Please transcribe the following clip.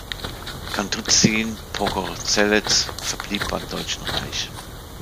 Kandrzin-Pogorzelletz verblieb beim Deutschen Reich.